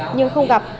nhưng không gặp